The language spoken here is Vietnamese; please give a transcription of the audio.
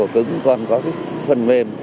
cứ còn có cái phần mềm